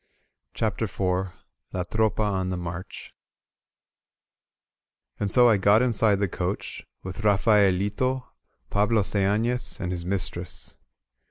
CHAPTER IV LA TROPA ON THE MARCH AND so I got inside the coach, with Rafaelito, Pablo Seafles, and his mistress.